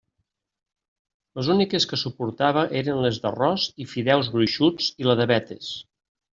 Les úniques que suportava eren les d'arròs i fideus gruixuts i la de vetes.